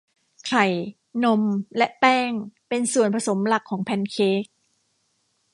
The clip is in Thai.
ไข่นมและแป้งเป็นส่วนผสมหลักของแพนเค้ก